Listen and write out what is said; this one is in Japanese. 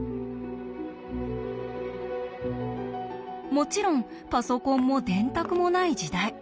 もちろんパソコンも電卓もない時代。